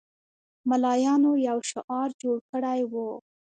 ملایانو یو شعار جوړ کړی وو.